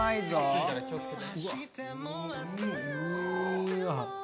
熱いから気をつけて。